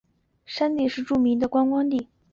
山顶则是著名的观光地。